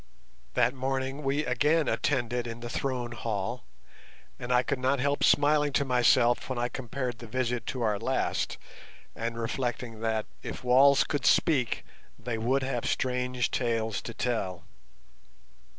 That morning we again attended in the Throne Hall, and I could not help smiling to myself when I compared the visit to our last, and reflecting that, if walls could speak, they would have strange tales to tell.